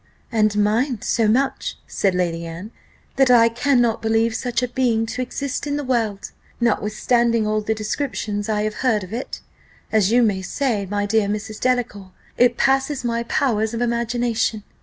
"And mine, so much," said Lady Anne, "that I cannot believe such a being to exist in the world notwithstanding all the descriptions I have heard of it: as you say, my dear Mrs. Delacour, it passes my powers of imagination.